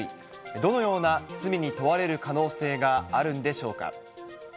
どのような罪に問われる可能性があるんでしょうか。